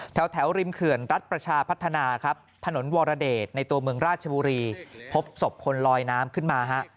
แถวริมเขื่อนรัฐประชาพัฒนาครับถนนวรเดชในตัวเมืองราชบุรีพบศพคนลอยน้ำขึ้นมาฮะ